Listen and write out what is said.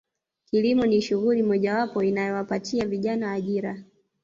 Kilimo ni shughuli mojawapo inayowapatia vijana ajira